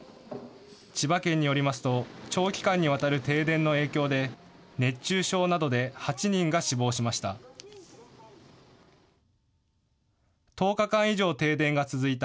千葉県によりますと長期間にわたる停電の影響で熱中症などで８人が死亡しました。